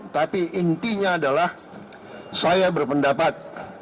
tapi intinya adalah saya berpendapat